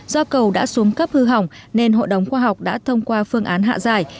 do cầu đã xuống cấp hư hỏng nên hội đồng khoa học đã thông qua phương án hạ giải